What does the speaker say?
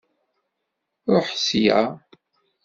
Ṛuḥ sya!